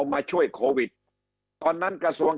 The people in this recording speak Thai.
คำอภิปรายของสอสอพักเก้าไกลคนหนึ่ง